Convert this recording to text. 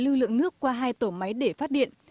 lưu lượng nước qua hai tổ máy để phát điện